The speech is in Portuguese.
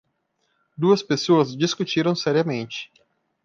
Duas pessoas discutiram seriamente